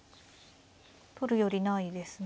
取るよりないですね。